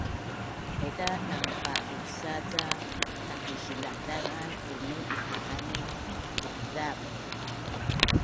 Haiza dang padusa’ ca takisilazn a bunun iha’anin bukzav